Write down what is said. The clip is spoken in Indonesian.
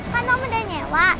kan om udah nyewa